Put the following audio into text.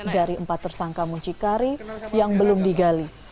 dari empat tersangka muncikari yang belum digali